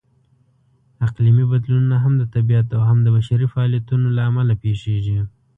اقلیمي بدلونونه هم د طبیعت او هم د بشري فعالیتونو لهامله پېښېږي.